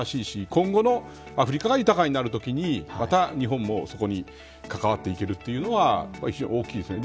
今後アフリカが豊かになるときにまた日本もそこに関わっていけるというのは大きいですね。